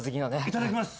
いただきます。